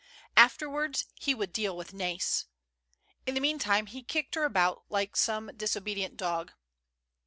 Afterwards he would deal with Nais. In the meantime he kicked her about like some disobedient dog.